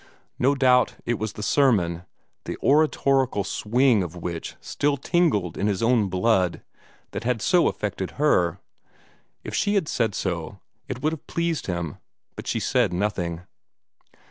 No doubt it was the sermon, the oratorical swing of which still tingled in his own blood, that had so affected her. If she had said so, it would have pleased him, but she said nothing.